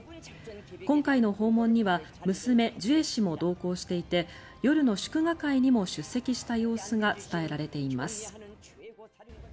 今回の訪問には娘・ジュエ氏も同行していて夜の祝賀会にも出席した様子が伝えられています。